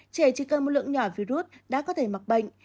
trẻ chỉ cần một lượng nhỏ virus đã có thể mặc bệnh